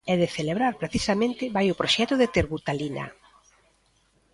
E de celebrar, precisamente, vai o proxecto de Terbutalina.